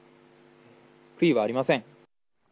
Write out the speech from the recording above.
悔いはありません。